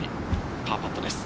パーパットです。